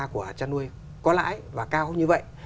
của chăn nuôi có lãi và cao như vậy